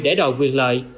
để đòi quyền lợi